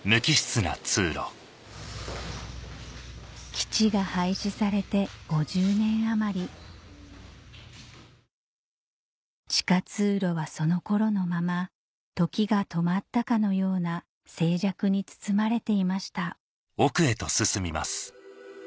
基地が廃止されて５０年余り地下通路はその頃のまま時が止まったかのような静寂に包まれていました